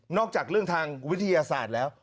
จากเรื่องทางวิทยาศาสตร์แล้ว